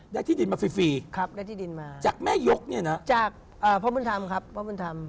ได้ที่ดินมาฟรีจากแม่ยกนี่นะพ่อบุญธรรมครับพ่อบุญธรรม